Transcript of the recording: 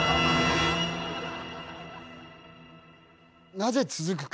なぜ続くか？